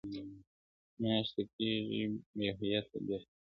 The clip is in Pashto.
میاشته کېږي بې هویته، بې فرهنګ یم,